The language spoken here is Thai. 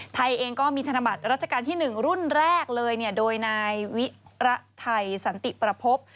ไทยเองก็มีธนบัตรราชการที่๑รุ่นแรกเลยโดยนายวิระไทยสันติประพบ